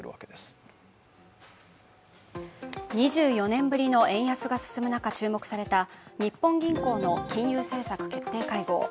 ２４年ぶりの円安が進む中、注目された日本銀行の金融政策決定会合。